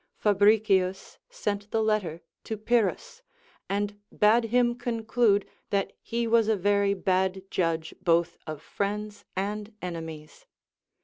Fabricius sent the letter to Pyrrhus, and bade him conclude that he Avas a very bad judge both of friends and enemies.